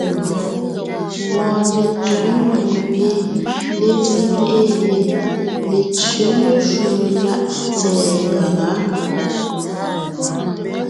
Wɔɔn letuu nò gẅie lezíŋ ée lê Letẅě meshwóŋè láʼ tsɛ̀ɛ gaŋá.